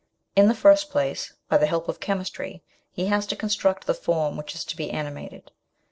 In the first place, by the help of chemistry, he has to construct the form which is to be animated.